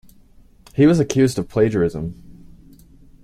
He was accused of plagiarism.